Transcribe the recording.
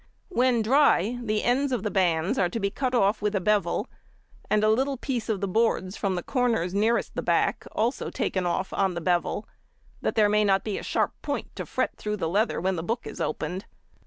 When dry the ends of the bands are to be cut off with a bevel, and a little piece of the boards from the corners nearest the back also taken off on the bevel, that there may not be a sharp point to fret through the leather when the book is opened.